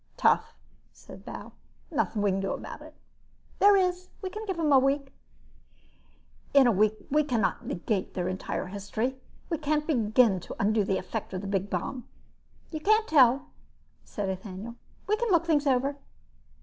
"Tough," said Bal. "Nothing we can do about it." "There is. We can give them a week." "In a week we can't negate their entire history. We can't begin to undo the effect of the big bomb." "You can't tell," said Ethaniel. "We can look things over."